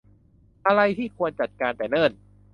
อะไรที่ควรจัดการแต่เนิ่น